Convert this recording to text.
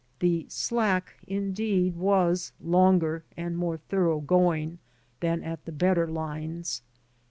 The "slack/* indeed, was longer and more thorough going than at the better lines.